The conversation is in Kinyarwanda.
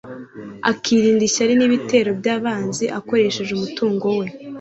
akirinda ishyari n’ibitero by’abanzi akoresheje umutungo we